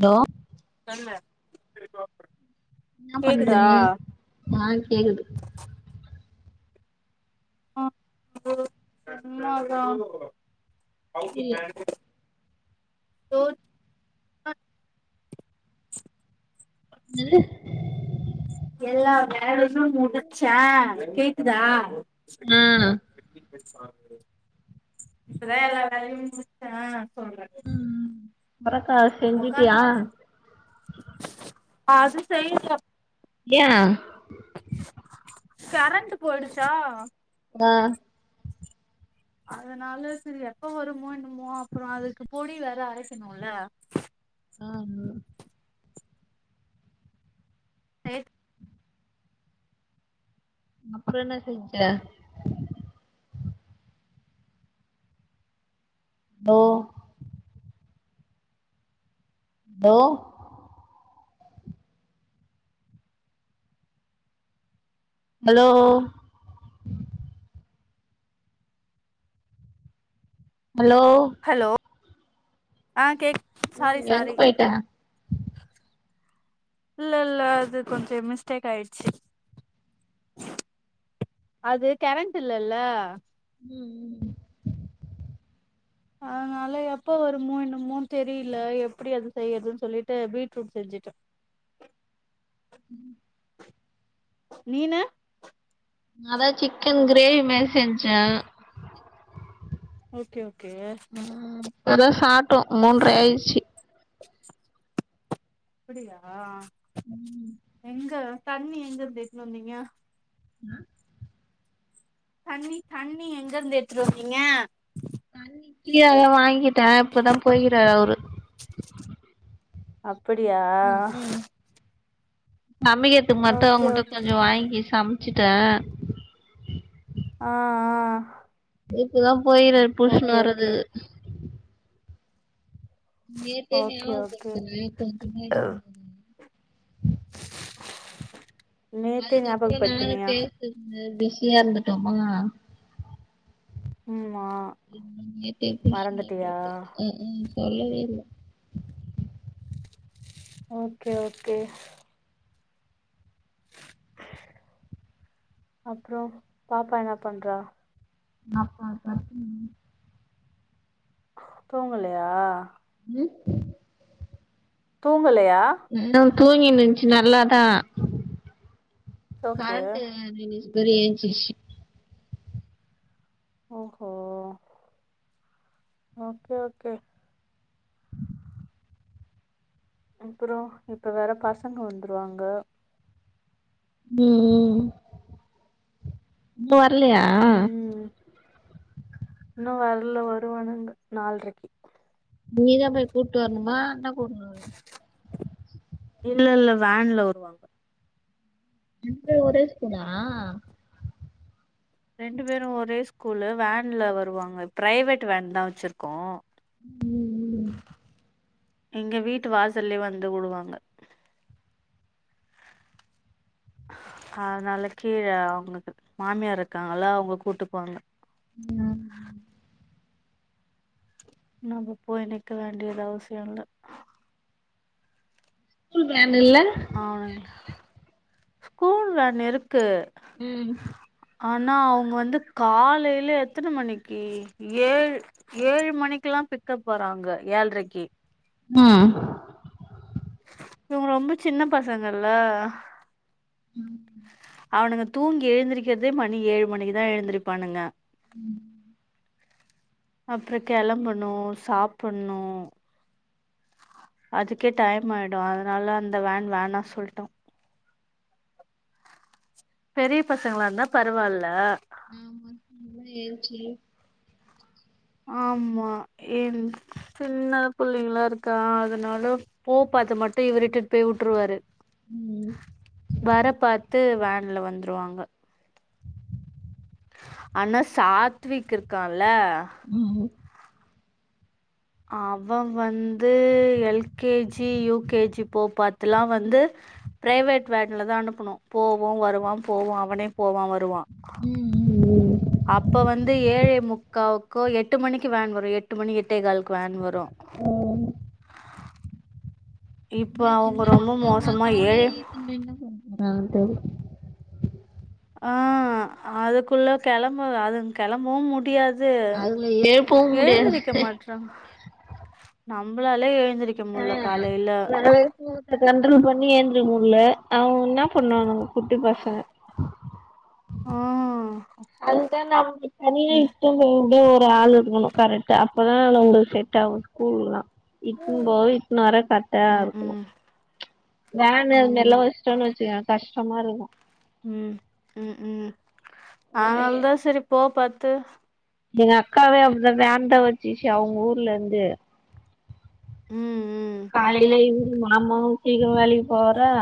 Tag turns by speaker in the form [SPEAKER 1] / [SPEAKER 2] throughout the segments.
[SPEAKER 1] Hello
[SPEAKER 2] இல்ல
[SPEAKER 1] என்ன பண்றீங்க ஆ கேக்குது
[SPEAKER 2] [unintelligible]
[SPEAKER 1] இல்ல
[SPEAKER 2] போ [unintelligible]
[SPEAKER 1] [unintelligible]
[SPEAKER 2] எல்லா வேலைகளும் முடிஞ்சா கேக்குதா
[SPEAKER 1] ஆ
[SPEAKER 2] [inaudible] இப்பதான் எல்லா வேலையும் முடுச்சேன் சொல்றேன்
[SPEAKER 1] சுரக்கா செஞ்சுட்டியா
[SPEAKER 2] அது செய்யல
[SPEAKER 1] ஏன்
[SPEAKER 2] கரண்டு போயிடுச்சா
[SPEAKER 1] வா
[SPEAKER 2] அதனால செரி எப்ப வருமோ என்னமோ அப்புறம் அதுக்கு பொடி வேற அரைக்கணுல
[SPEAKER 1] ஆஹ் உஹ்
[SPEAKER 2] [unintelligible]
[SPEAKER 1] அப்புறம் என்ன செஞ்ச ஓ ஹலோ ஹலோ ஹலோ
[SPEAKER 2] ஆஹ் கேக்கு
[SPEAKER 1] உம் எங்க போயிட்ட
[SPEAKER 2] இல்ல இல்ல அது கொஞ்சம் மிஸ்டேக் ஆயிடுச்சு அது கரண்ட் இல்லல்ல
[SPEAKER 1] உம் உம்
[SPEAKER 2] அதனால எப்ப வருமோ என்னமோ தெரியல எப்படி அது செய்யறதுன்னு சொல்லிட்டு பீட்ரூட் செஞ்சு [unintelligible]
[SPEAKER 1] உம்
[SPEAKER 2] நீனு
[SPEAKER 1] அதா சிக்கன் கிரேவி மாரி செஞ்சே
[SPEAKER 2] ஓகே ஓகே
[SPEAKER 1] ம் இப்பதா சாப்பிட்டோ மூன்றரை ஆயிடுச்சு
[SPEAKER 2] அப்டியா
[SPEAKER 1] ம்
[SPEAKER 2] எங்க தண்ணி எங்க இருந்து எடுத்துட்டுவந்தீங்க
[SPEAKER 1] [inaudible]
[SPEAKER 2] தண்ணி தண்ணி எங்க இருந்து எடுத்துட்டுவந்திங்க
[SPEAKER 1] தண்ணிக்கு கிழ [unintelligible] வாங்கிட்டான் இப்பதான் போய்கிறாரு அவரு
[SPEAKER 2] அப்படியா
[SPEAKER 1] ம் ம் சமைக்கிறதுக்கு மட்டு
[SPEAKER 2] ஓகே
[SPEAKER 1] அவங்கிட்ட
[SPEAKER 2] ஓகே
[SPEAKER 1] கொஞ்ச வாங்கி சமைச்சுட்டே
[SPEAKER 2] ஆ ஆ
[SPEAKER 1] இப்பதான் போய்கிறரு புட்ச்சுனு
[SPEAKER 2] ஓகே ஓகே
[SPEAKER 1] வரதுக்கு நேத்தே
[SPEAKER 2] ஓகே
[SPEAKER 1] ஞாபகம்
[SPEAKER 2] ஓகே
[SPEAKER 1] படுத்தின கொஞ்ச [unintelligible]
[SPEAKER 2] நேத்தே
[SPEAKER 1] அதுக்கப்புறம் நானும்
[SPEAKER 2] ஞாபகப்படுத்துனியா
[SPEAKER 1] பேசுரதுல பிஸியா இருந்துட்டோமா
[SPEAKER 2] ம்
[SPEAKER 1] [inaudible] சொல்லவே இல்ல
[SPEAKER 2] ஓகே ஓகே அப்புற பாப்பா என்ன பண்றா
[SPEAKER 1] அப்பா [unintelligible]
[SPEAKER 2] தூங்கலையா
[SPEAKER 1] ம்
[SPEAKER 2] தூங்கலையா
[SPEAKER 1] தூங்கினு இருந்துச்சு நல்லாதா
[SPEAKER 2] ஓகே
[SPEAKER 1] கரண்டு நின்னுச்சு எஞ்சுக்கிச்சு
[SPEAKER 2] ஓஹோ ஓகே ஓகே அப்புற இப்ப வேற பசங்க வந்துருவாங்க
[SPEAKER 1] உம் இப்ப வரலையா
[SPEAKER 2] இன்னு வரல வருவனுங்கு நால்ரைக்கு
[SPEAKER 1] நீதான் போய் கூப்பிட்டு வரணுமா அண்ண கூட்டுவரும
[SPEAKER 2] இல்ல இல்ல வேன்ல வருவாங்க
[SPEAKER 1] இண்டு ஒரே ஸ்கூல
[SPEAKER 2] ரெண்டு பேரும் ஒரே ஸ்கூல்ல வேன்ல வருவாங்க பிரைவேட் வேன் தான் வச்சிருக்கோ
[SPEAKER 1] ம் ம்
[SPEAKER 2] எங்க வீட்டு வாசல்லயே வந்து உடுவாங்க அதனால கீழே அவங்களுக்கு மாமியார் இருக்காங்கல்ல அவங்க கூட்டுகு வாங்க
[SPEAKER 1] ம்
[SPEAKER 2] நம்ம போய் நிக்கல வேண்டியது அவசிய இல்ல
[SPEAKER 1] ஸ்கூல் வேன் இல்ல
[SPEAKER 2] ஸ்கூல் வேண் இருக்கு
[SPEAKER 1] ம்
[SPEAKER 2] ஆனா அவங்க வந்து காலையில எத்தனை மணிக்கு ஏழு ஏழு மணிக்குகெல்லா பிக்கப் வறாங்க ஏழ்ரைக்கு
[SPEAKER 1] ம்
[SPEAKER 2] இவங்க ரொம்ப சின்ன பசங்கள்ல அவனுங்க தூங்கி எழுந்திருக்கிறதே மணி ஏழு மணிக்குதா எழுந்திருப்பானுங்க
[SPEAKER 1] ம்
[SPEAKER 2] அப்புற கிளம்பணு சாப்பிடணு அதுக்கே டைம் ஆயிடு அதனால அந்த வேன் வேணா சொல்லிட்டோ பெரிய பசங்களா இருந்தா பரவாயில்ல
[SPEAKER 1] ஆமா ஏன்ச்சு
[SPEAKER 2] ஆமா என் சின்ன பிள்ளைங்கல்லா இருக்கா அதனால போப்ப அத மட்டு இவுர் இட்டுட் போய் உட்டுருவாரு
[SPEAKER 1] ம்
[SPEAKER 2] வர பாத்து வேன்ல வந்ருவாங்க அனா சாத்விக் இருக்கான்ல
[SPEAKER 1] ம்
[SPEAKER 2] அவன் வந்து எல்கேஜி யூகேஜி போ பாத்துலா வந்து ப்ரைவேட் வேன்ல தா அனுப்புனு போவோ வருவா போவோ அவனே போவா வருவா
[SPEAKER 1] ம் ம் ம்
[SPEAKER 2] அப்ப வந்து ஏழே முக்காவுக்கோ எட்டு மணிக்கி வேன் வரு எட்டு மணிக் எட்டே கால்க்கு வேன் வரு
[SPEAKER 1] ம்
[SPEAKER 2] இப்போ
[SPEAKER 1] இல்ல சின்ன
[SPEAKER 2] அவங்க ரொம்ப
[SPEAKER 1] பஸ்கந்தா
[SPEAKER 2] மோசமா
[SPEAKER 1] கல்லே
[SPEAKER 2] ஏழே
[SPEAKER 1] ஈத்துன் பேய் [inaudible]
[SPEAKER 2] ஆ அதுக்குள்ள கெலம்ப அதுங் கெலம்புவு முடியாது
[SPEAKER 1] அதுல எழுப்பவு
[SPEAKER 2] து
[SPEAKER 1] முடியாது
[SPEAKER 2] எழுந்துரிக்க மாட்றாங் நம்பளாலே எழு ந்திரிக்க
[SPEAKER 1] ஆ
[SPEAKER 2] முல்ல காலைல
[SPEAKER 1] அதனால [unintelligible] பண்ணி எந்துரிக் முல்ல அவுங் இன்னா பண்ணுவானுங் குட்டி பசங்க
[SPEAKER 2] ஆ
[SPEAKER 1] அதுதா நமுக்கு தனியா
[SPEAKER 2] ம்
[SPEAKER 1] [unintelligible] ஆள் இருக்குணு கரெட்டா அப்பதா இவ்னோங்குள் செட் ஆகு ஸ்கூல்லா இட்டுன் போவ இட்னு வர கர்ட்டா இருக்னு
[SPEAKER 2] ம்
[SPEAKER 1] வேனு அதுமேரிலா
[SPEAKER 2] ஆமா
[SPEAKER 1] வஷ்டோன் வச்சிக்ய கஷ்டமா இருக்கு
[SPEAKER 2] ம் ம் ம் அ னால்தா செரி போ பத்து
[SPEAKER 1] எங்க அக்காவே அப்ட்தா வேன் தா வச்சிசி அவுங் ஊர்லேந்து
[SPEAKER 2] ம், ம்.
[SPEAKER 1] காலைல இவுரு மாமாவு சீக்கிரொ வேலிக்கி போவாறா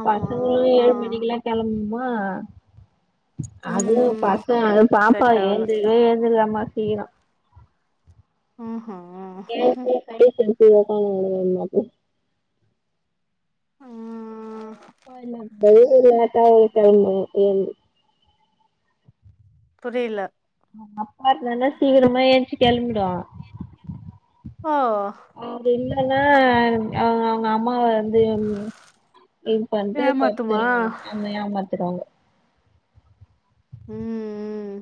[SPEAKER 2] ஆமா.
[SPEAKER 1] பசங்ளு
[SPEAKER 2] ஆ.
[SPEAKER 1] ஏழு மணிக்கிலா கெலமுமா
[SPEAKER 2] ம்,
[SPEAKER 1] அது
[SPEAKER 2] ம்.
[SPEAKER 1] பச அது பாப்பா
[SPEAKER 2] செட் ஆவல.
[SPEAKER 1] ஏந்துரிக்வே ஏந்துருக்காத்மா சீகிரொ
[SPEAKER 2] உம்
[SPEAKER 1] [unintelligible] பேசிக்கிட்டே ஒக்காந்திங்லே என்னாது
[SPEAKER 2] ஆ
[SPEAKER 1] அவுங் அப்பா இல்லாது டெய்லி லேட்டாவுது டைமு ஏந்து
[SPEAKER 2] புரியில
[SPEAKER 1] அப்பா இருந்தனா சீக்கிரமா ஏன்சி கெலமிடோ
[SPEAKER 2] ஓ
[SPEAKER 1] அ நா அவுங் அவுங்க அம்மாவ து என்ன இது பண்றத் பத்து
[SPEAKER 2] ஏமாத்துமா?
[SPEAKER 1] இவுங்களு என்ன ஏமாத்திருவாங்க
[SPEAKER 2] ம் ம்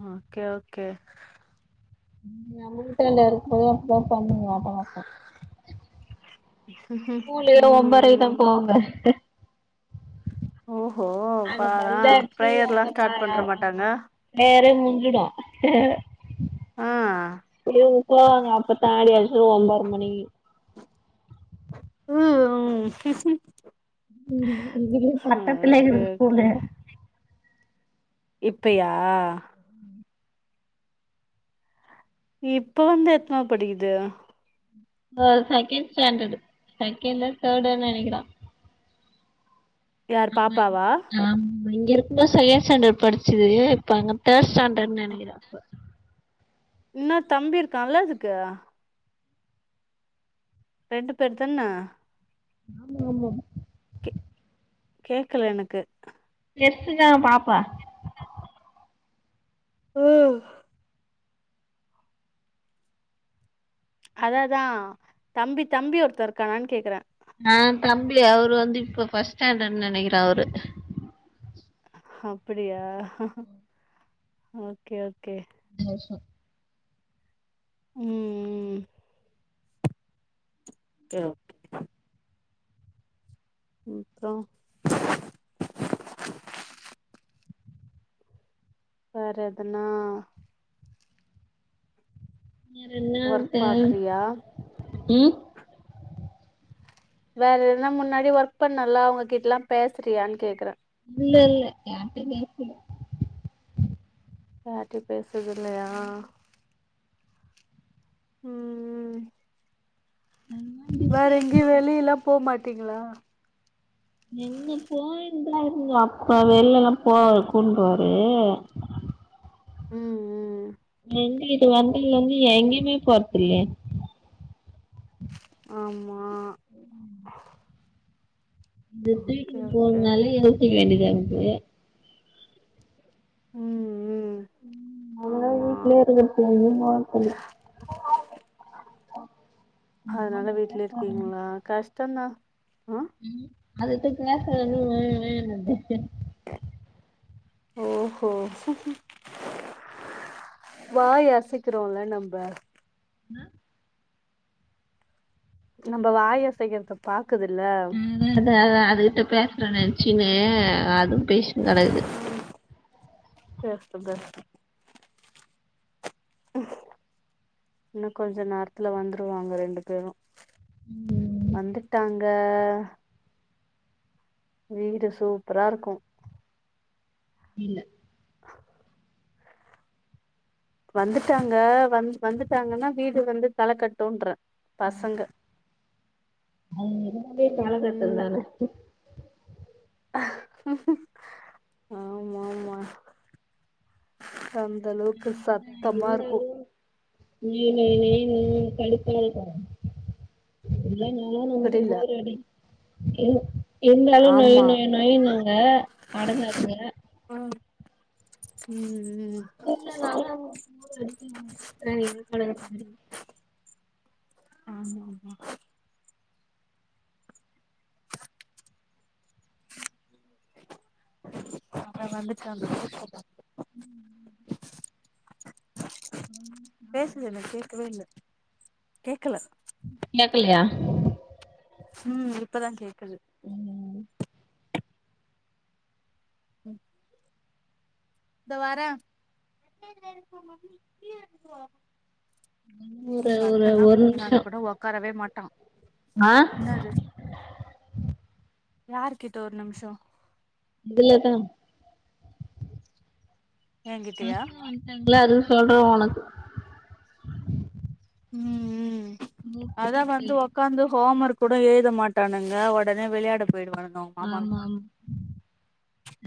[SPEAKER 2] ம கே ஓகே
[SPEAKER 1] நம்முகுட்ட எல்லா இருக்கு போது அப்தா பண்ணுவா பாப்பா
[SPEAKER 2] ம்ஹ்ம்.
[SPEAKER 1] ஸ்கூலு ஒம்போரைக்தா
[SPEAKER 2] ம்.
[SPEAKER 1] போவுங்க
[SPEAKER 2] ஒ
[SPEAKER 1] அங்க பல்லர்ச்சு அங்க ப
[SPEAKER 2] ஸ்டார்ட் பண்ற
[SPEAKER 1] அவுங்கோ
[SPEAKER 2] மாட்டாங்க?
[SPEAKER 1] வேற ல்லுடா
[SPEAKER 2] ஆ.
[SPEAKER 1] [unintelligible] வாங்க அப்பத்தா ஆடி அஸ்சு ஒம்போர மணிகி
[SPEAKER 2] அஹ் உம்
[SPEAKER 1] ம் இதுகி பக்கத்லே இருக்
[SPEAKER 2] ஓகே.
[SPEAKER 1] கூலு
[SPEAKER 2] இப்பயா இப்ப வந்து எத்னாவ் படிக்கிது
[SPEAKER 1] ஆ செகேண் ஸ்டேண்டடு செகேண்டோ தேடோ நெனக்கிறா
[SPEAKER 2] யார்
[SPEAKER 1] ஆமாய்
[SPEAKER 2] பாப்பாவா?
[SPEAKER 1] ஆம் இங்க இருக்குமோ செகேண் ஸண்டர் படிச்சிது இப்ப அங்க தேர் ஸ்டாண்டர் நெனக்கிற அப்ப
[SPEAKER 2] இன்னோர் தம்பி இருக்கான்ல அதுக்கு ரெண்டு பேர் தன்ன
[SPEAKER 1] ஆமா ஆமா
[SPEAKER 2] கேக்கல எனக்கு
[SPEAKER 1] பெருசுதா பாப்பா
[SPEAKER 2] ம் அது அதா தம்பி தம்பி ஒருத்தருக்கானான்னு கேக்குறே
[SPEAKER 1] ஆ தம்பி அவரு வந்து இப்ப பஸ்ட் ஸ்டாண்டர்டுனு நெனைக்கிறே அவரு
[SPEAKER 2] அப்டியா ஓகே ஓகே
[SPEAKER 1] [unintelligible]
[SPEAKER 2] ம் ம் ஓகே ஓகே அப்புற வேற எதுனா
[SPEAKER 1] வேற என்ன
[SPEAKER 2] ஒர்க்
[SPEAKER 1] து
[SPEAKER 2] பாக்குறியா
[SPEAKER 1] ம்
[SPEAKER 2] வேற என்னா முன்னாடி ஒர்க் பண்ணலா அவங்க கிட்ட எல்லா பேசுறியான்னு கேக்குறே
[SPEAKER 1] இல்ல இல்ல யார்ட்ட பேசல
[SPEAKER 2] யாருட்டயு பேசுது இல்லயா ம் ம்
[SPEAKER 1] அதெல்லா
[SPEAKER 2] வேற
[SPEAKER 1] பிஸியா
[SPEAKER 2] எங்கய
[SPEAKER 1] இருப்பாங்க
[SPEAKER 2] வெளி எல்லா போகமாட்டீங்களா
[SPEAKER 1] எங்க போயிருந்தா இருந்தோ அப்ப வெள எல்லா போவ கூப்டுவாரு
[SPEAKER 2] ம் ம்
[SPEAKER 1] வந்து இது வந்தது வந்து எங்கேயுமே போறது இல்லையே
[SPEAKER 2] ஆமா
[SPEAKER 1] இநத
[SPEAKER 2] ஓகே
[SPEAKER 1] தூக்கின்னு
[SPEAKER 2] ஓகே
[SPEAKER 1] போவூனாலே யோசிக்க வேண்டியத இருக்கு
[SPEAKER 2] ம் ம்
[SPEAKER 1] ம் அததா
[SPEAKER 2] ஆமா
[SPEAKER 1] வீட்லயே இருக்கரது எங்கேயும் போறது இல்ல
[SPEAKER 2] அதனால வீட்லயே இருக்கீங்களா கஷ்டம்தா
[SPEAKER 1] ம் அதுக்கு [unintelligible]
[SPEAKER 2] ஓஹோ வாய் அசக்கிறோலா நம்ம
[SPEAKER 1] என்ன
[SPEAKER 2] நம்ம வாயை அசைக்கிறது பாத்து
[SPEAKER 1] அத அதுகிட்ட பேசுறே நினைச்சினே அதுவு பேசுன்னு கடக்கது
[SPEAKER 2] பேசட்டும் பேசட்டும் இன்னும் கொஞ்ச நேரத்துல வந்துருவாங்க ரெண்டு பேரும்
[SPEAKER 1] ம்
[SPEAKER 2] வந்துட்டாங்க வீடு சூப்பரா இருக்கு
[SPEAKER 1] இல்ல
[SPEAKER 2] வந்துட்டாங்க வந்து வந்துட்டாங்கன்னா வீடு வந்து கல கட்டுன்ற பசங்க
[SPEAKER 1] அவங்க இருந்தாலே கலகட்டுந்
[SPEAKER 2] ம்
[SPEAKER 1] தானே
[SPEAKER 2] ஆமா ஆமா அந்த அளவுக்கு சத்தமா இருக்கு
[SPEAKER 1] இருந்தாலு நொய் நொய் நொய் ன்னு [inaudible] அதனா நமக்கு
[SPEAKER 2] புரியல
[SPEAKER 1] போரடி ஏ இருந்தாலும் நொய்
[SPEAKER 2] ஆமா
[SPEAKER 1] நொயி நொயினுங்க அடங்காதுங்க
[SPEAKER 2] ம் ம்
[SPEAKER 1] இல்ல ந போர் அடிக்கும் நமக்கு [inaudible]
[SPEAKER 2] ஆமாம்மா அப்புற வந்துட்டு [inaudible] பேசுது எனக்கு கேட்கவே இல்ல கேட்கல
[SPEAKER 1] கேக்கலையா
[SPEAKER 2] ம் இப்பதா கேக்குது
[SPEAKER 1] ம்
[SPEAKER 2] ம் இந்தவரே
[SPEAKER 1] ஒரு
[SPEAKER 2] ம்
[SPEAKER 1] ஒரு
[SPEAKER 2] வந்தன்னா
[SPEAKER 1] ஒரு
[SPEAKER 2] கொஞ்ச நேர
[SPEAKER 1] நிமிஷோ
[SPEAKER 2] கூட ஒக்காரவே மாட்
[SPEAKER 1] ஆ
[SPEAKER 2] யாரு கிட்ட ஒரு நிமிஷோ
[SPEAKER 1] இதுல தா ஆச
[SPEAKER 2] என்கிட்டயா
[SPEAKER 1] வந்துட்டாங்களா அது சொல்ற உனக்கு
[SPEAKER 2] ம் ம் அதா வந்து ஒக்கந்து ஹோம் ஒர்க் கூட எழுத மாட்டானுங்க உடனே விளையாட போயிடுவானங்
[SPEAKER 1] ஆமா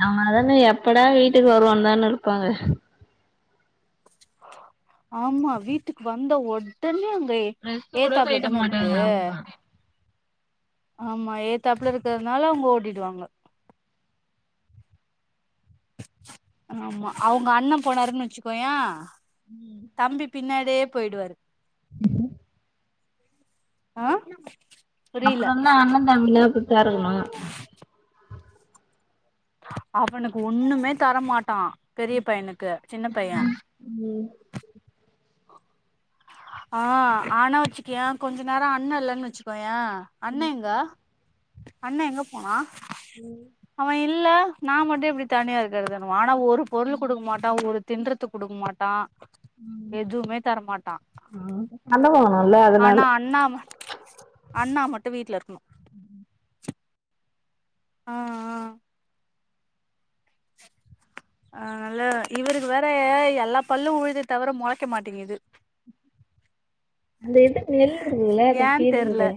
[SPEAKER 1] ஆம் அவதானே எப்படா வீட்டுக்கு வருவ தான இருப்பாங்க
[SPEAKER 2] ஆமா வீட்டுக்கு வந்த உடனே ரே
[SPEAKER 1] போயிட்ட
[SPEAKER 2] ஏத்தாப்லதானே இருக்கு
[SPEAKER 1] மாட்டாங்க ஆமா
[SPEAKER 2] ஆமா ஏதாப்புல இருக்கிறதுனால அவுங்க ஓடிட்டுவாங்க ஆமா அவுங்க அண்ணன் போனாருன்னு வச்சுக்கோயே பின்னாடே போயிடுவாரு ஆ புரியல
[SPEAKER 1] அப்புறதா அண்ணன் தம்பில [unintelligible]
[SPEAKER 2] அவனுக்கு ஒண்ணுமே தரமாட்டா பெரிய பையனுக்கு சின்ன பைய
[SPEAKER 1] ம்
[SPEAKER 2] ஆ ஆனா வச்சுக்கயோ கொஞ்ச நேரோ அண்ண இல்லன்னு வச்சுக்கோயே அண்ண எங்க அண்ண எங்க போனா
[SPEAKER 1] ம்
[SPEAKER 2] அவ இல்ல நா மட்டு எப்டி தனியா இருக்கறதுனுவ ஆனா ஒரு பொருள் குடுக்க மாட்டா ஒரு தின்றதுக்கு குடுக்க மாட்டா எதுவுமே தரமாட்
[SPEAKER 1] அ அலோ
[SPEAKER 2] ஆனா அண்ணா ம அண்ணா மட்டு வீட்டுல இருக்கணு ஆ ஆ அதனால இவருக்கு வேற எல்லா பல்லு வுழுது தவிர மொளைக்க மாட்டீங்குது
[SPEAKER 1] அந்த இது நெல் இருக்குதுல்ல அத
[SPEAKER 2] ஏன் தெர்ல
[SPEAKER 1] கீறிவுடு